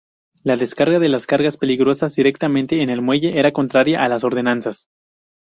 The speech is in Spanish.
La descarga de cargas peligrosas directamente en el muelle era contraria a las ordenanzas.